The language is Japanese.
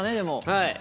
はい。